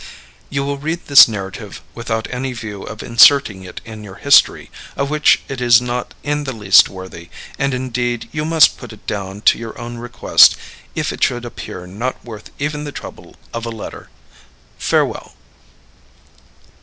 You will read this narrative without any view of inserting it in your history, of which it is not in the least worthy, and indeed you must put it down to your own request if it should appear not worth even the trouble of a letter. Farewell.